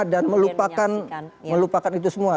dan melupakan itu semua